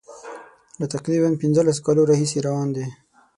له تقریبا پنځلسو کالو راهیسي روان دي.